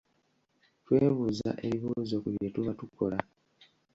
Twebuuza ebibuuzo ku bye tuba tukola?